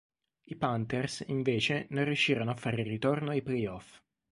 I Panthers invece non riuscirono a fare ritorno ai playoff.